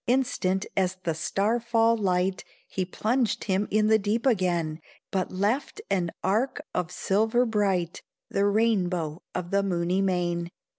Instant as the star fall light, He plunged him in the deep again, But left an arch of silver bright The rainbow of the moony main.